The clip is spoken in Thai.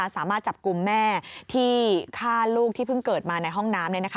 สามารถจับกลุ่มแม่ที่ฆ่าลูกที่เพิ่งเกิดมาในห้องน้ำ